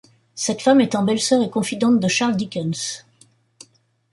Cette femme étant belle-sœur et confidente de Charles Dickens.